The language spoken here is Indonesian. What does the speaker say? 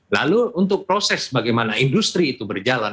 lalu untuk proses bagaimana industri itu berjalan